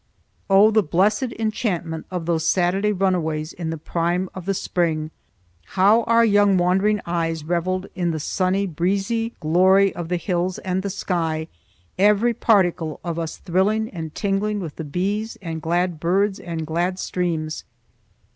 Oh, the blessed enchantment of those Saturday runaways in the prime of the spring! How our young wondering eyes reveled in the sunny, breezy glory of the hills and the sky, every particle of us thrilling and tingling with the bees and glad birds and glad streams!